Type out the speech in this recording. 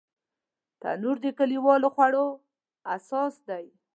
تنور د کلیوالو خوړو اساس دی